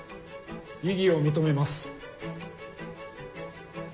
異議を認めます。